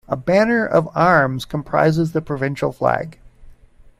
A banner of arms comprises the provincial flag.